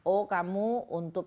oh kamu untuk